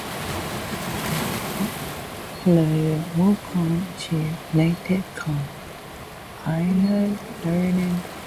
At seven p.m. on July the twenty-sixth we alighted at Victoria.